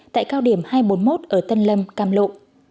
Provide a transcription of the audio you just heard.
tại cao điểm hai trăm bốn mươi một ở tân lâm cà lộ